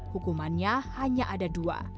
hukumannya hanya ada dua